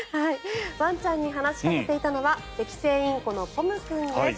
ワンちゃんに話しかけていたのはセキセイインコのポム君です。